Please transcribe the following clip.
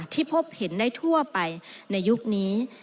ที่พบเห็นได้ทั่วไปในยุคนี้